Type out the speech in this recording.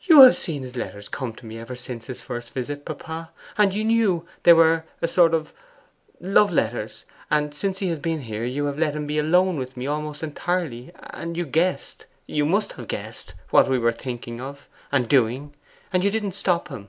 'You have seen his letters come to me ever since his first visit, papa, and you knew they were a sort of love letters; and since he has been here you have let him be alone with me almost entirely; and you guessed, you must have guessed, what we were thinking of, and doing, and you didn't stop him.